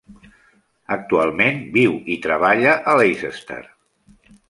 Actualment viu i treballa a Leicester.